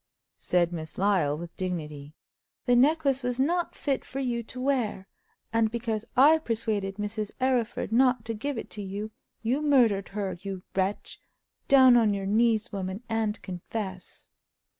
said Miss Lyle, with dignity. "The necklace was not fit for you to wear. And because I persuaded Mrs. Arryford not to give it to you, you murdered her, you wretch! Down on your knees, woman, and confess!"